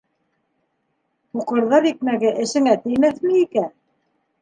Һуҡырҙар икмәге әсеңә теймәҫме икән?